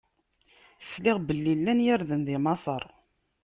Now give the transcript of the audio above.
Sliɣ belli llan yirden di Maṣer.